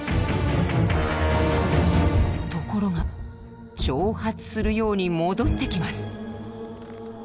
ところが挑発するように戻ってきます。